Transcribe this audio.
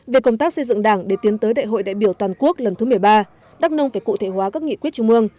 về công tác xây dựng đảng để tiến tới đại hội đại biểu toàn quốc lần thứ một mươi ba đắk nông phải cụ thể hóa các nghị quyết trung ương